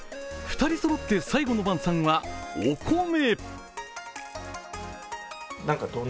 ２人そろって、最後の晩さんはお米。